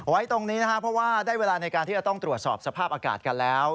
ไว้ตรงนี้นะครับเพราะว่าได้เวลาในการที่จะต้องตรวจสอบสภาพอากาศกันแล้ว